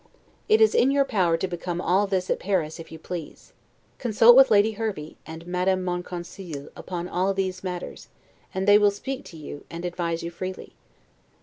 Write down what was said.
It is in your power to become all this at Paris, if you please. Consult with Lady Hervey and Madame Monconseil upon all these matters; and they will speak to you, and advise you freely.